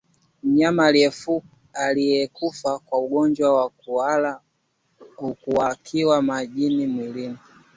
Mnyama aliyekufa kwa ugonjwa wa kuhara hukaukiwa maji mwilini